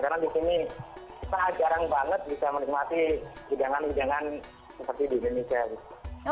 karena di sini kita jarang banget bisa menikmati hidangan hidangan seperti di indonesia